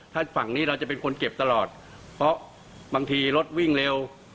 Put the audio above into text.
ถ้าฝั่งนี้เราจะเป็นคนเก็บตลอดเพราะบางทีรถวิ่งเร็ว